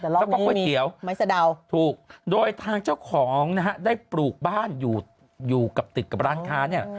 แล้วก็ก๋วยเตี๋ยวไม่สะเดาถูกโดยทางเจ้าของนะฮะได้ปลูกบ้านอยู่อยู่กับติดกับร้านค้าเนี่ย